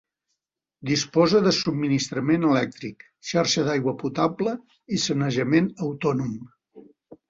Disposa de subministrament elèctric, xarxa d'aigua potable i sanejament autònom.